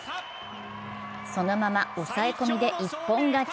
そのまま抑え込みで一本勝ち。